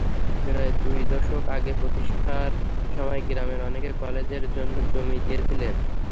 প্রায় দুই দশক আগে প্রতিষ্ঠার সময় গ্রামের অনেকে কলেজের জন্য জমি দিয়েছিলেন।